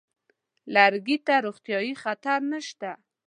لرګي ته روغتیايي خطر نشته.